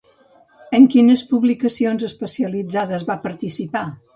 En quines publicacions especialitzades va participar?